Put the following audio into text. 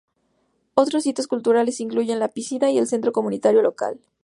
Otros hitos culturales incluyen la piscina y el centro comunitario local.